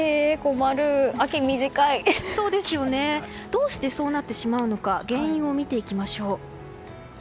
どうしてそうなってしまうのか原因を見ていきましょう。